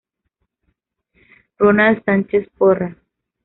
Ronald Sánchez Porras.